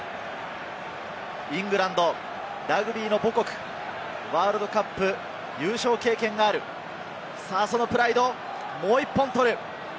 イングランド、ラグビーの母国、ワールドカップ優勝経験がある、そのプライド、もう１本取る。